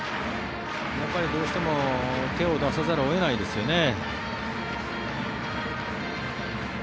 やっぱりどうしても手を出さざるを得ないですよね。